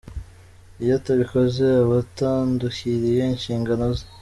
Iyo atabikoze, aba atandukiriye inshingano ze."